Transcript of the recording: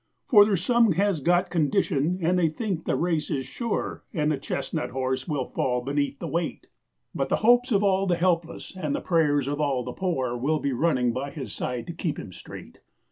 'For there's some has got condition, and they think the race is sure, And the chestnut horse will fall beneath the weight, But the hopes of all the helpless, and the prayers of all the poor, Will be running by his side to keep him straight.